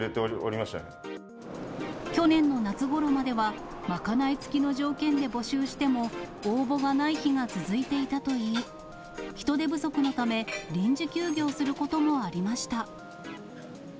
去年の夏ごろまでは、賄い付きの条件で募集しても、応募がない日が続いていたといい、人手不足のため、臨時休業することもありました。